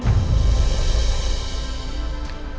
kita tetap berusaha dan berikhtiar